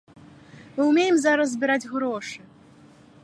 Мы ўмеем зараз збіраць грошы.